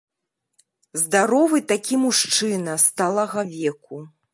Здаровы такі мужчына сталага веку.